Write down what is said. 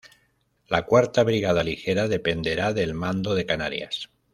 La cuarta brigada ligera dependerá del Mando de Canarias.